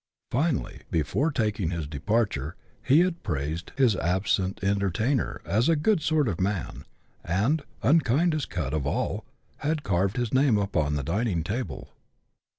Finally, before taking his departure, he had praised his absent entertainer as a " good sort of a man," and, " unkindest cut of all," had carved his name upon the dining table.